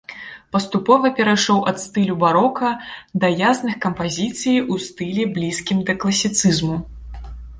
Паступова перайшоў ад стылю барока да ясных кампазіцый у стылі блізкім да класіцызму.